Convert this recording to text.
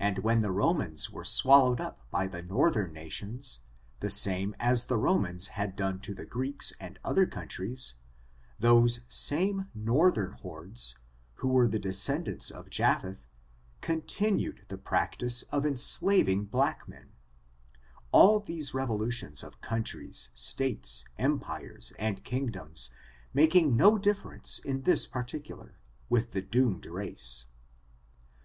And when the Romans were swallowed up by the northern na* lions, the same as the Romans had done to the Greeks > ^^^k^k^^^l^fe^l^k^ 288 ORIGIN, CHARACTEEy AND I and other countries, those same northern hordes, who were the descendants of Japheth, continued the prac tice of enslaving black men, all these revolutions of countries, states, empires and kingdoms, making no difference in this particular, with the doomed race.